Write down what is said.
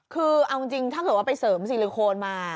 คือเอาจริงถ้าเกิดว่าไปเสริมซิลิโคนมา